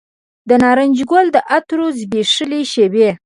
د نارنج ګل عطرو زبیښلې شیبې